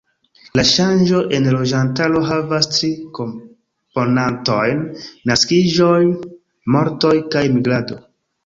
La ŝanĝo en loĝantaro havas tri komponantojn: naskiĝoj, mortoj kaj migrado.